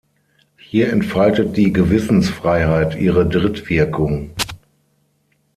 Hier entfaltet die Gewissensfreiheit ihre Drittwirkung.